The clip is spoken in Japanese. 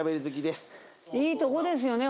いいとこですよね